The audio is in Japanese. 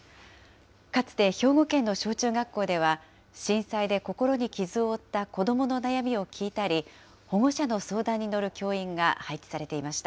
かつて兵庫県の小中学校では震災で心に傷を負った子どもの悩みを聞いたり、保護者の相談に乗る教員が配置されていました。